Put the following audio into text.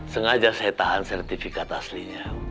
sengaja saya tahan sertifikat asli ini